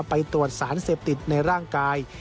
ไปตรวจสารเสพติดในร่างกาย